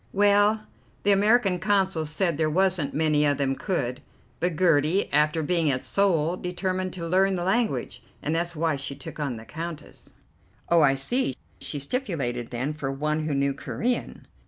"Well, the American Consul said there wasn't many of them could; but Gertie, after being at Seoul, determined to learn the language, and that's why she took on the Countess." "Oh, I see. She stipulated, then, for one who knew Corean?"